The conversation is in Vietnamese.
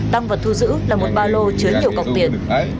tăng vật thu giữ là một ba lô chứa nhiều cọc tiền